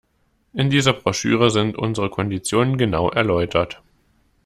In dieser Broschüre sind unsere Konditionen genau erläutert.